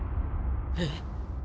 えっ？